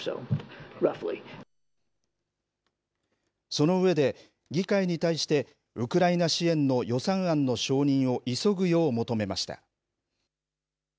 その上で、議会に対してウクライナ支援の予算案の承認を急ぐよう求めました。